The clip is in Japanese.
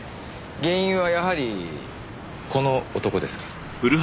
原因はやはりこの男ですか？